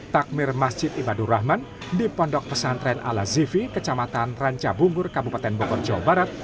takmir masjid ibadur rahman di pondok pesantren ala zifi kecamatan ranca bungur kabupaten bukor jawa barat